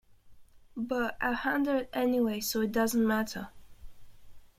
But I'll handle it anyway, so it doesn't matter.